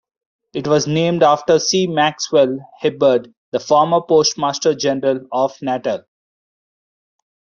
It was named after C. Maxwell-Hibberd, the former postmaster-general of Natal.